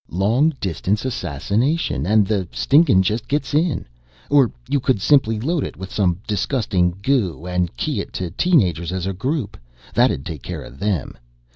Long distance assassination and the stinkingest gets it! Or you could simply load it with some disgusting goo and key it to teen agers as a group that'd take care of them.